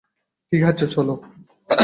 ঠিক আছে, চলো।